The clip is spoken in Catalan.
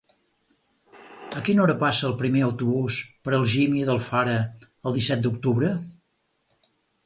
A quina hora passa el primer autobús per Algímia d'Alfara el disset d'octubre?